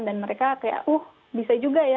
dan mereka kayak uh bisa juga ya